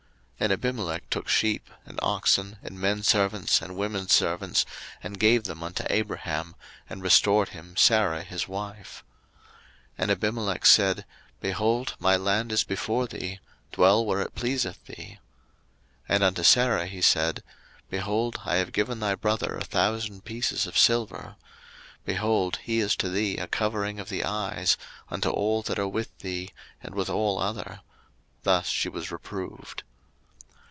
01:020:014 And Abimelech took sheep, and oxen, and menservants, and womenservants, and gave them unto Abraham, and restored him Sarah his wife. 01:020:015 And Abimelech said, Behold, my land is before thee: dwell where it pleaseth thee. 01:020:016 And unto Sarah he said, Behold, I have given thy brother a thousand pieces of silver: behold, he is to thee a covering of the eyes, unto all that are with thee, and with all other: thus she was reproved.